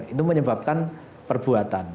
itu menyebabkan perbuatan